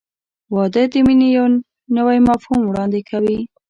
• واده د مینې یو نوی مفهوم وړاندې کوي.